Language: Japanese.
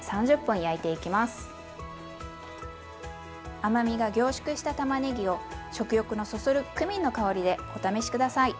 甘みが凝縮したたまねぎを食欲のそそるクミンの香りでお試し下さい！